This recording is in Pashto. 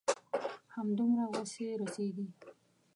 همدومره وس يې رسيږي.